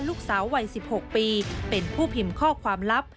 ลูกสาววัย๑๖ปีเป็นผู้พิมพ์ข้อความลับ